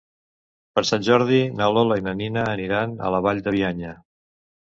Per Sant Jordi na Lola i na Nina aniran a la Vall de Bianya.